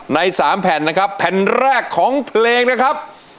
ใน๓แผ่นนะครับแผ่นแรกของเพลงนะครับ